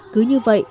cứ như vậy